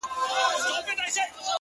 سیاه پوسي ده; ژوند تفسیرېږي;